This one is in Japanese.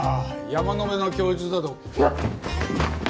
山野辺の供述だと。